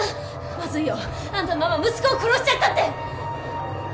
まずいよあんたのママ息子を殺しちゃったって！